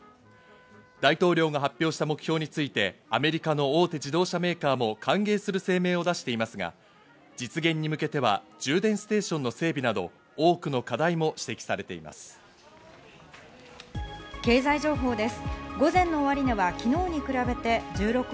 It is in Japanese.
大統領が発表した目標についてアメリカの大手自動車メーカーも歓迎する声明を出していますが、実現に向けては充電ステーションの整備など、多くの課題も指摘さ経済情報です。